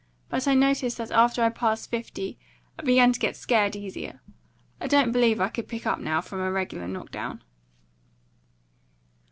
But I noticed that after I passed fifty I began to get scared easier. I don't believe I could pick up, now, from a regular knock down."